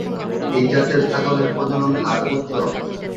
এই জাতের ছাগলের প্রজনন হার উচ্চ।